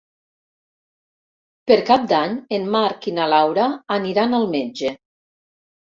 Per Cap d'Any en Marc i na Laura aniran al metge.